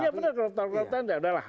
ya bener koruptan koruptan yaudahlah